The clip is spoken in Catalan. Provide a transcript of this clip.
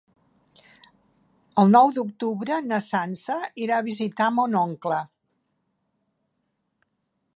El nou d'octubre na Sança irà a visitar mon oncle.